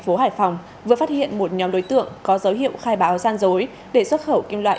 phố hải phòng vừa phát hiện một nhóm đối tượng có dấu hiệu khai báo gian dối để xuất khẩu kim loại